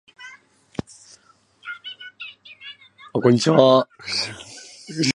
おじいちゃんは起きるのが遅い